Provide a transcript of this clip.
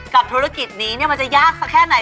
ธุรกิจนี้มันจะยากสักแค่ไหน